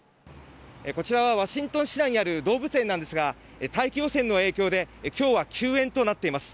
こちらはワシントン市内にある動物園なんですが大気汚染の影響で今日は休園となっています。